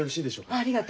あありがとう。